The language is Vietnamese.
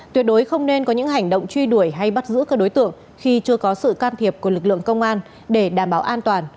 tuyệt đối không nên có những hành động truy đuổi hay bắt giữ các đối tượng khi chưa có sự can thiệp của lực lượng công an để đảm bảo an toàn